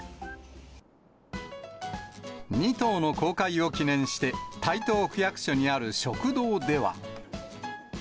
２頭の公開を記念して台東区役所にある食堂では。